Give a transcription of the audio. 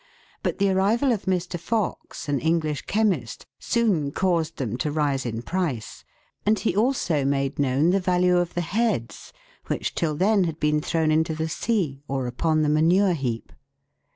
But the arrival of Mr. Fox, an English chemist, soon caused them to rise in price, and he also made known the value of the heads which till then had been thrown into the sea or upon the manure heap.